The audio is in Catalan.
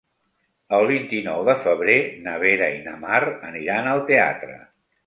El vint-i-nou de febrer na Vera i na Mar aniran al teatre.